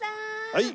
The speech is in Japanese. はい。